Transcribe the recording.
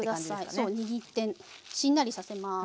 そう握ってしんなりさせます。